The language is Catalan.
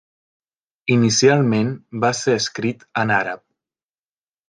Inicialment va ser escrit en àrab.